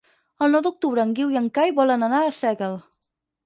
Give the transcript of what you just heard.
El nou d'octubre en Guiu i en Cai volen anar a Arsèguel.